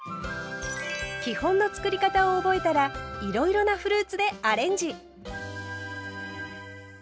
基本のつくり方を覚えたらいろいろなフルーツでアレンジ！